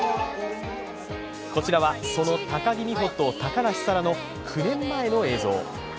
こちらはその高木美帆と高梨沙羅の９年前の映像。